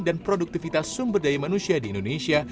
dan produktivitas sumber daya manusia di indonesia